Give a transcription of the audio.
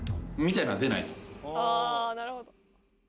ああなるほど。